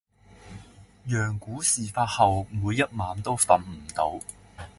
羊牯事發後「每一晚都瞓唔到」。